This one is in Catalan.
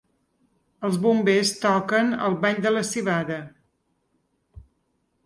Els bombers toquen "El ball de la civada".